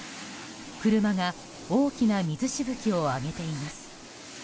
車が大きな水しぶきを上げています。